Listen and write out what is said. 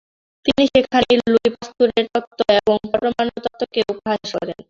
তিনি সেখানে লুই পাস্তুরের তত্ত্ব এবং পরমাণু তত্ত্বকে উপহাস করেন।